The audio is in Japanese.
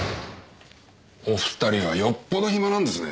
お二人はよっぽど暇なんですね。